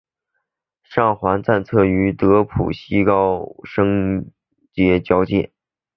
上环站则位于德辅道西及高升街交界。